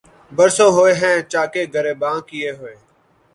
برسوں ہوئے ہیں چاکِ گریباں کئے ہوئے